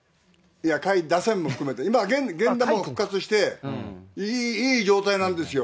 いや、下位打線も含めて、今、源田も復活して、いい状態なんですよ。